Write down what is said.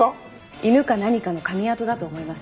犬か何かの噛み痕だと思います。